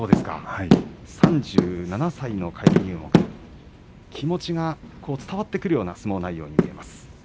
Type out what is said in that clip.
３７歳の返り入幕気持ちが伝わってくるような相撲内容に見えます。